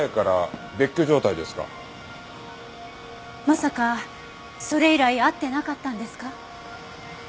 まさかそれ以来会ってなかったんですか？